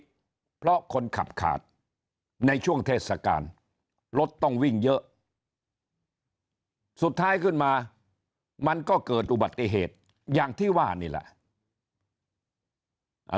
เพราะคนขับขาดในช่วงเทศกาลรถต้องวิ่งเยอะสุดท้ายขึ้นมามันก็เกิดอุบัติเหตุอย่างที่ว่านี่แหละ